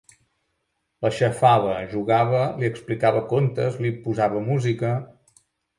L'aixafava, jugava, li explicava contes, li posava música...